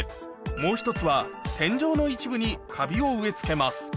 もう１つは天井の一部にカビを植え付けます